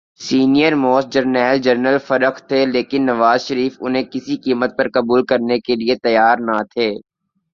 Senior most جرنیل general Farrukh تھے‘ لیکن نواز شریف انہیں کسی قیمت پر قبول کرنے کیلئے تیار نہ تھے۔